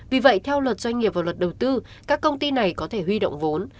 vì vậy theo luật doanh nghiệp và luật đầu tư các công ty này có thể huy động vốn